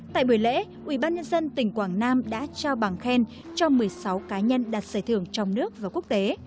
tại buổi lễ ubnd tỉnh quảng nam đã trao bằng khen cho một mươi sáu cá nhân đạt giải thưởng trong nước và quốc tế